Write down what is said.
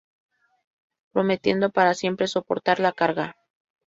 Prometiendo para siempre soportar la carga.